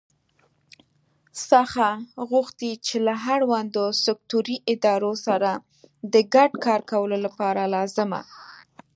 څخه غوښتي چې له اړوندو سکټوري ادارو سره د ګډ کار کولو لپاره لازمه